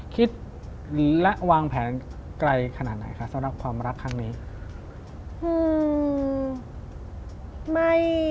คิดหรือวางแผนไกลขนาดไหนคะสำหรับความรักครั้งนี้